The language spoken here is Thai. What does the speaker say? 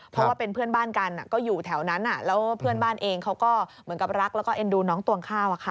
เพราะว่าเป็นเพื่อนบ้านกันก็อยู่แถวนั้นแล้วเพื่อนบ้านเองเขาก็เหมือนกับรักแล้วก็เอ็นดูน้องตวงข้าว